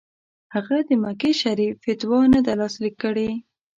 هغه د مکې شریف فتوا نه ده لاسلیک کړې.